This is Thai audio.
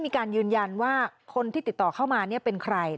มีการยืนยันว่าคนที่ติดต่อเข้ามาเป็นใคร